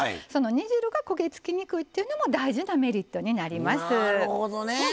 煮汁が焦げ付きにくいというのも大事なメリットになります。